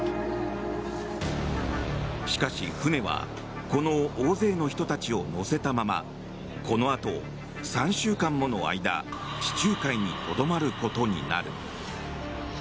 しかし、船はこの大勢の人たちを乗せたままこのあと３週間もの間地中海にとどまることになる。